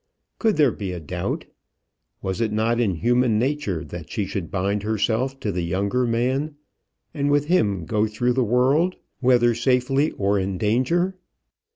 Could there be a doubt? Was it not in human nature that she should bind herself to the younger man, and with him go through the world, whether safely or in danger?